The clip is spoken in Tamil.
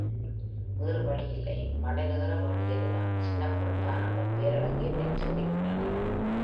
வேறு வழியே இல்லை மடலேற வேண்டியதுதான். சின்னப் பெண்தான் அந்தப் பேரழகி என்னைச் சீண்டிவிட்டாள்.